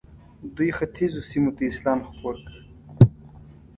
دوی ختیځو سیمو ته اسلام خپور کړ.